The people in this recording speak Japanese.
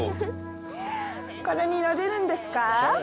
これに乗れるんですか？